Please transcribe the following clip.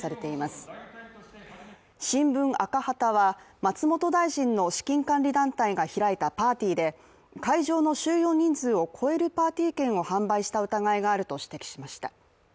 「しんぶん赤旗」は松本大臣の資金管理団体が開いたパーティーで会場の収容人数を超えるパーティー券を販売した疑いがあると指摘しました。